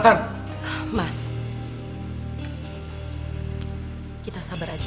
jangan terlalu berani